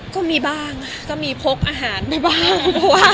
ก็มีบ้างก็มีพกอาหารไปบ้าง